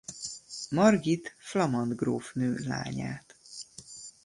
Margit flamand grófnő lányát.